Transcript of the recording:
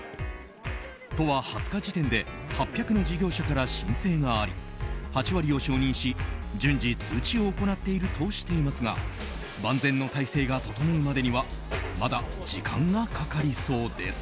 都は２０日時点で８００の事業者から申請があり、８割を承認し順次通知を行っているとしていますが万全の体制が整うまでにはまだ時間がかかりそうです。